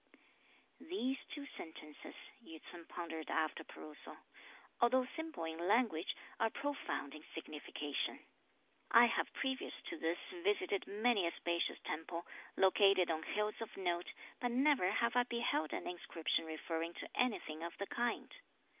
"These two sentences," Yü ts'un pondered after perusal, "although simple in language, are profound in signification. I have previous to this visited many a spacious temple, located on hills of note, but never have I beheld an inscription referring to anything of the kind.